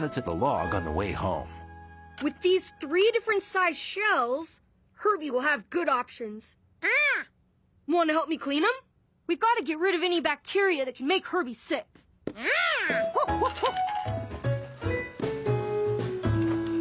アホッホッホッ。